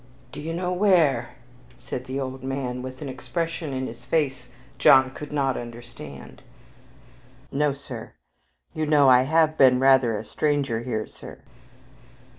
"Do you know where?" said the old man, with an expression in his face John could not understand. "No, Sir; you know I have been rather a stranger here, Sir."